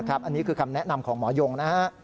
อันนี้คือคำแนะนำของหมอยงนะฮะ